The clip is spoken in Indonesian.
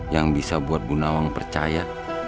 yang bisa buat bu nawang percaya